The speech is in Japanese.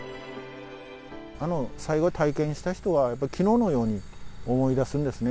あの災害を体験した人は、やっぱりきのうのように思い出すんですね。